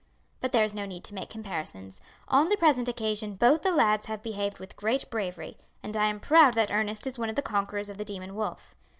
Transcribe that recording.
But there is no need to make comparisons. On the present occasion both the lads have behaved with great bravery, and I am proud that Ernest is one of the conquerors of the demon wolf.